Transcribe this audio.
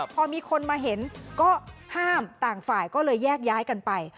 พอมีคนมาเห็นก็ห้ามต่างฝ่ายก็เลยแยกย้ายกันไป